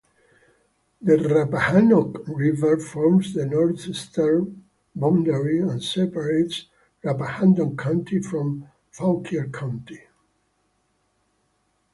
The Rappahannock River forms the northeastern boundary and separates Rappahannock County from Fauquier County.